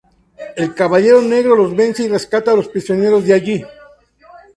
El caballero negro los vence y rescata a los prisioneros de allí.